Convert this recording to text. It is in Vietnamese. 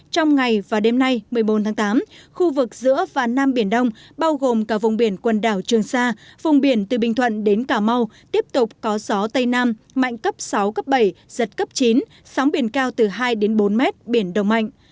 trong ngày và đêm nay một mươi bốn tháng tám khu vực giữa và nam biển đông bao gồm cả vùng biển quần đảo trường sa vùng biển từ bình thuận đến cà mau tiếp tục có gió tây nam mạnh cấp sáu cấp bảy giật cấp chín sóng biển cao từ hai bốn mét biển động mạnh